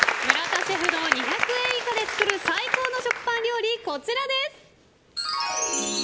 村田シェフの２００円以下で作る最高の食パン料理です。